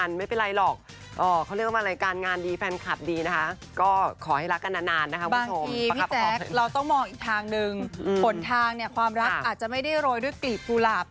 รอยด้วยกลีบปลูหลาบอาจจะไม่ได้รอยด้วยกลีบปลูหลาบ